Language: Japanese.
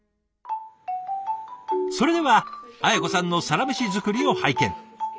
それでは文子さんのサラメシ作りを拝見。